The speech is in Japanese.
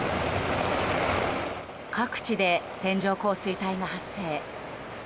各地で線状降水帯が発生。